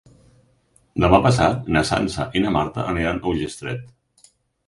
Demà passat na Sança i na Marta aniran a Ullastret.